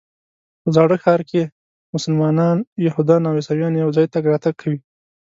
په زاړه ښار کې مسلمانان، یهودان او عیسویان یو ځای تګ راتګ کوي.